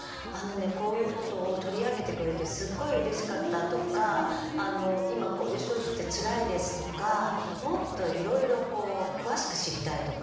こういうことを取り上げてくれてすっごいうれしかったとか今こういう症状でつらいですとかもっといろいろ詳しく知りたいとか。